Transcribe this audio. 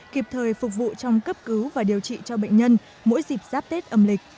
kịp thời phục vụ trong cấp cứu và điều trị cho bệnh nhân mỗi dịp giáp tết âm lịch